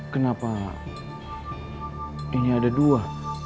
kenapa ini ada dua